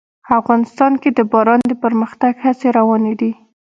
افغانستان کې د باران د پرمختګ هڅې روانې دي.